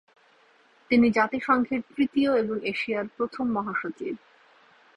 তিনি জাতিসংঘের তৃতীয় এবং এশিয়ার প্রথম মহাসচিব।